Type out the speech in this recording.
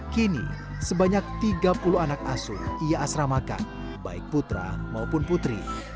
kini sebanyak tiga puluh anak asuh ia asramakan baik putra maupun putri